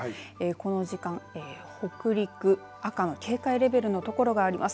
この時間、北陸、赤の警戒レベルのところがあります。